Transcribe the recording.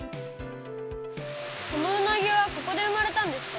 このうなぎはここで生まれたんですか？